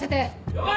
了解！